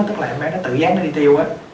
tức là em bé nó tự dắt nó đi tiêu á